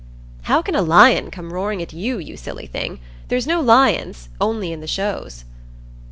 "How can a lion come roaring at you, you silly thing? There's no lions, only in the shows."